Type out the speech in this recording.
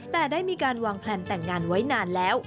แต่ได้มีการวางแพลนแต่งงานไว้นานแล้ว